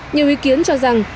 nhiều ý kiến cho rằng